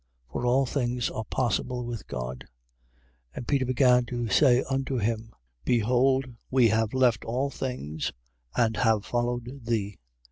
For all things are possible with God. 10:28. And Peter began to say unto him: Behold, we have left all things and have followed thee.